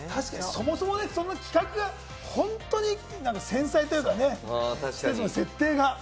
そもそもそんな企画がね、本当に繊細というか、設定が。